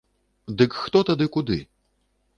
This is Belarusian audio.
Дык хто тады куды?